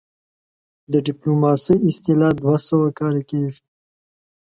د ډيپلوماسۍ اصطلاح دوه سوه کاله کيږي